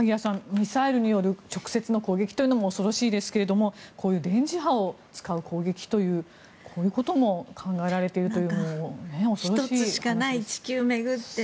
ミサイルによる直接の攻撃も恐ろしいですけどもこういう電磁波を使う攻撃というこういうことも考えられているという恐ろしい話です。